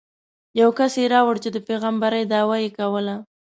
یو کس یې راوړ چې د پېغمبرۍ دعوه یې کوله.